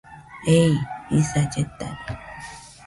Ei jisa lletade.